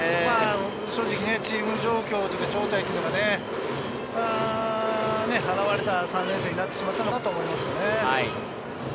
正直チーム状況、状態というのが、あらわれた３連戦になってしまったのかなと思いますよね。